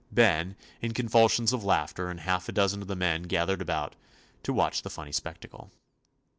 Ben, in convulsions of laughter, and half a dozen of the men gathered about to watch the funny spectacle.